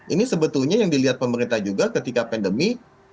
ini sebetulnya yang dilihat pemerintah juga ketika pandemi